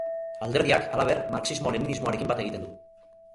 Alderdiak, halaber, marxismo-leninismoarekin bat egiten du.